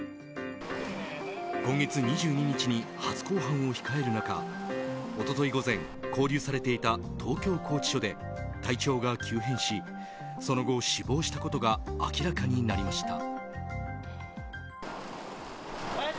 今月２２日に初公判を控える中一昨日午前、拘留されていた東京拘置所で体調が急変しその後、死亡したことが明らかになりました。